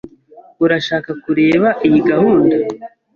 Urashaka kureba iyi gahunda?